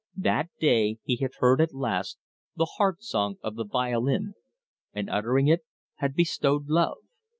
That day he had heard at last the Heart Song of the Violin, and uttering it, had bestowed love.